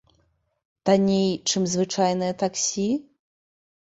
Танней, чым звычайнае таксі?